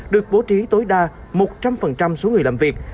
được bố trí tối đa một trăm linh số người làm việc